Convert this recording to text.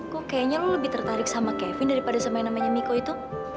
kok kayaknya lo lebih tertarik sama kevin daripada sama yang namanya miko itu